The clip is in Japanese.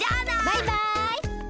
バイバイ！